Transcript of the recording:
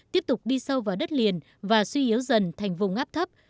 tiếp tục đi sâu vào đất liền và suy yếu dần thành vùng áp thấp